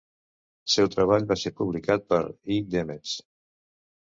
El seu treball va ser publicat per E. Demets.